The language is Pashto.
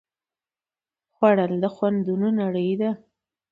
خوړل د خوندونو نړۍ ده